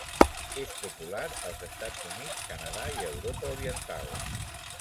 És popular als Estats Units, Canadà i Europa oriental.